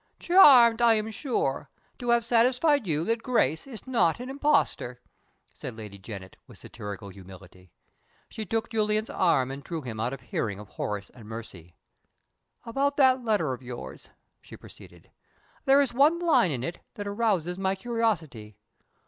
"Charmed, I am sure, to have satisfied you that Grace is not an impostor," said Lady Janet, with satirical humility. She took Julian's arm and drew him out of hearing of Horace and Mercy. "About that letter of yours?" she proceeded. "There is one line in it that rouses my curiosity.